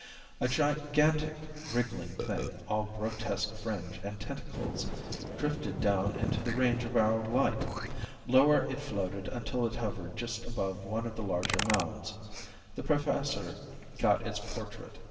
A gigantic wriggling thing, all grotesque fringe and tentacles, drifted down into the range of our light. Lower it floated until it hovered just above one of the larger mounds. The Professor got its portrait.